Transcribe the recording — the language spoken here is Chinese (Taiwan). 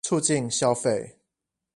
促進消費